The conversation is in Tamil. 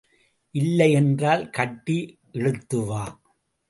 இல்லையென்றால் கட்டி இழுத்துவா!